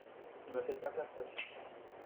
Ne me faites pas perdre patience.